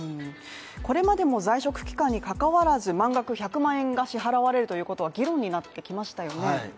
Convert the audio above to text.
これまでも在職期間に関わらず満額１００万円が支払われるということが議論になってきましたよね。